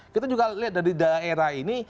kita juga lihat dari daerah ini